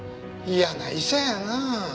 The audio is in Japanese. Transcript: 嫌な医者やな。